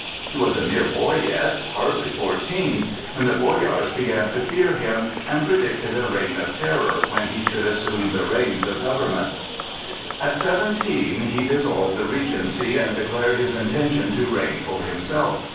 He was a mere boy yet—hardly fourteen—when the boyars began to fear him and predicted a reign of terror when he should assume the reins of government. At seventeen, he dissolved the regency and declared his intention to reign for himself.